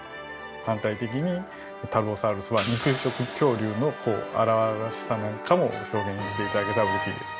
反対的にタルボサウルスは肉食恐竜の荒々しさなんかも表現して頂けたら嬉しいです。